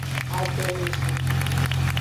Adomeji.